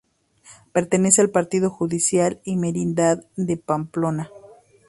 Pertenece al partido judicial y merindad de Pamplona.